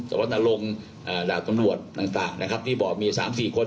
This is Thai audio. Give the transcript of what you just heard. สาวัสดิ์ตะลงเอ่อดาบกำหนวดต่างต่างนะครับที่บอกมีสามสี่คน